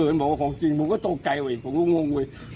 เอิญบอกว่าของจริงผมก็ตกใจเว้ยผมก็งงเว้ย